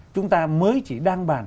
chúng ta mới chỉ đang bàn